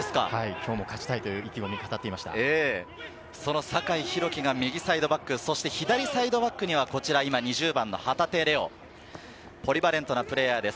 今日も勝ちたいと意気込みを語っその酒井宏樹が右サイドバック、左サイドバックには旗手怜央、ポリバレントのプレーヤーです。